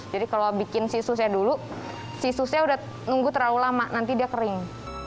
jadi kalau bikin si sousnya dulu si sousnya sudah menunggu terlalu lama nanti dia kering